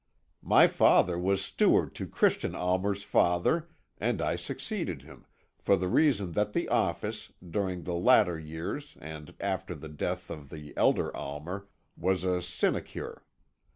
My father was steward to Christian Almer's father, and I succeeded him, for the reason that the office, during the latter years and after the death of the elder Almer, was a sinecure.